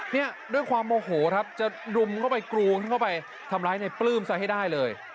เนี่ยด้วยความโมโหครับจะรุมเข้าไปกรูนเข้าไปทำร้ายในปลื้มซะให้ได้เลย